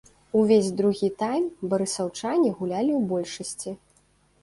Увесь другі тайм барысаўчане гулялі ў большасці.